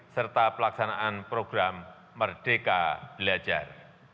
serta pelaksanaan program merdeka belajar